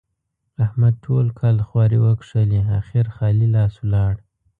احمد ټول کال خواري وکښلې؛ اخېر خالي لاس ولاړ.